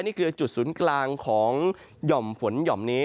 นี่คือจุดศูนย์กลางของหย่อมฝนหย่อมนี้